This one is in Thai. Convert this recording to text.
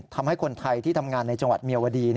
ทำให้คนไทยที่ทำงานในจังหวัดเมียวดี